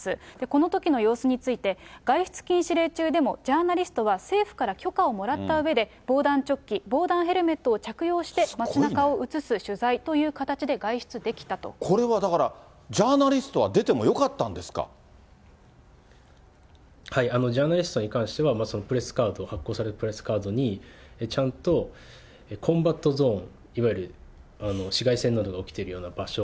このときの様子について、外出禁止令中でもジャーナリストは政府から許可をもらったうえで、防弾チョッキ、防弾ヘルメットを着用して町なかを映す取材という形で外出できたこれはだから、ジャーナリスジャーナリストに関しては、プレスカード、発行されたプレスカードにちゃんとコンバットゾーン、いわゆる市街戦などが起きている場所